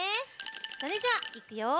それじゃあいくよ。